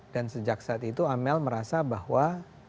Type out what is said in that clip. dan sejak saat itu amel merasa bahwa